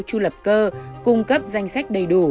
chu lập cơ cung cấp danh sách đầy đủ